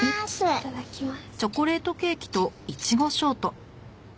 いただきます。